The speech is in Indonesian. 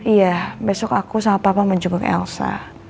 iya besok aku sama papa mau jenguk elsa